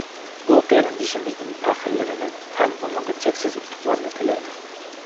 ئۇ قېرىندىشىمىزدىن پەخىرلىنىمەن ھەم ئۇنىڭغا چەكسىز ئۇتۇقلارنى تىلەيمەن.